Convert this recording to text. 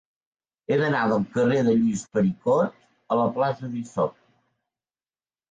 He d'anar del carrer de Lluís Pericot a la plaça d'Isop.